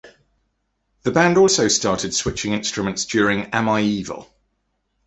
The band also started switching instruments during Am I Evil?